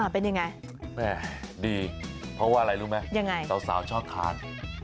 เป็นยังไงแม่ดีเพราะว่าอะไรรู้ไหมสาวชอบทาน